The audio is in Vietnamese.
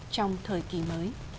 trong thời kỳ mới